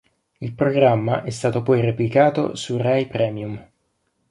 Il programma è stato poi replicato su Rai Premium.